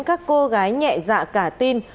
các cô gái nhẹ dạ cả tin